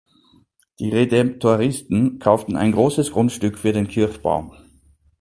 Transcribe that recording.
Die Redemptoristen kauften ein großes Grundstück für den Kirchbau.